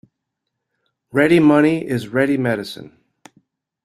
Ready money is ready medicine.